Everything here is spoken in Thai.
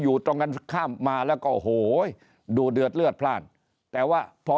อยู่ตรงนั้นข้ามมาแล้วก็โอ้โหดูเดือดเลือดพลาดแต่ว่าพอ